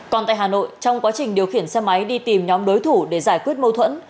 còn tại hà nội trong quá trình điều khiển xe máy đi tìm nhóm đối thủ để giải quyết mâu thuẫn